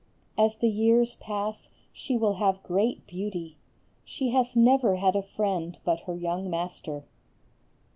As the years pass she will have great beauty. She has never had a friend but her young master.